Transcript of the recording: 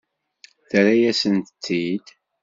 Terra-yasent-t-id?